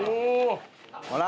ほら。